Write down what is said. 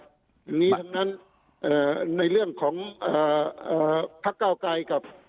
ดังนี้ดังนั้นในเรื่องของภักดิ์เก้าไกรกับ